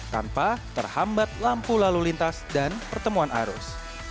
tanpa terhambat lampu lalu lintas dan pertemuan arus